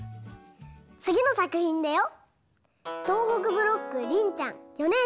つぎのさくひんだよ。